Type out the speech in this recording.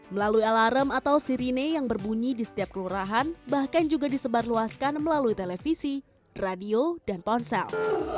melalui alarm atau sirine yang berbunyi di setiap kelurahan bahkan juga disebarluaskan melalui televisi radio dan ponsel